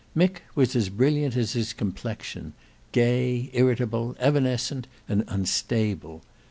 Mick was as brilliant as his complexion; gay, irritable, evanescent, and unstable.